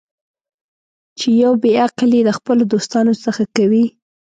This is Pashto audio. چې یو بې عقل یې د خپلو دوستانو څخه کوي.